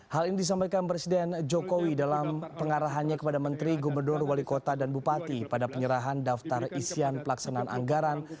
hal ini disampaikan presiden jokowi dalam pengarahannya kepada menteri gubernur wali kota dan bupati pada penyerahan daftar isian pelaksanaan anggaran